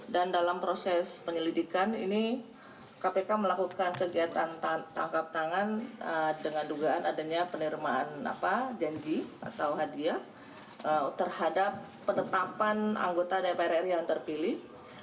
dan dalam proses penyelidikan ini kpk melakukan kegiatan takap tangan dengan dugaan adanya penirmaan janji atau hadiah terhadap penetapan anggota dprr yang terpilih dua ribu sembilan belas dua ribu dua puluh empat